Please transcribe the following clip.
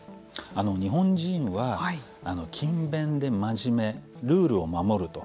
日本人は勤勉で真面目ルールを守ると。